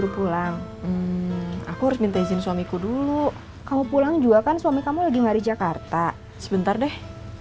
pulang aku harus minta izin suamiku dulu kamu pulang juga kan suami kamu lagi nyari jakarta sebentar deh